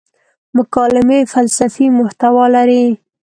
مکالمې فلسفي محتوا لري.